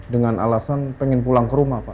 dengan alasan pengen pulang ke rumah pak